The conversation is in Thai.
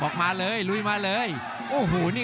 รับทราบบรรดาศักดิ์